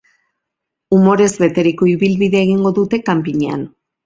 Umorez beteriko ibilbidea egingo dute kanpinean.